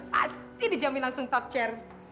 pasti dijamin langsung tokser